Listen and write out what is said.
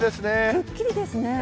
くっきりですね。